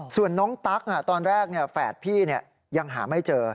ส่วนน้องตั๊กตอนแรกแฝดพี่ยังหาไม่เจอ